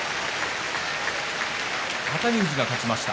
熱海富士が勝ちました。